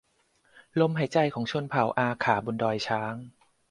ลมหายใจของชนเผ่าอาข่าบนดอยช้าง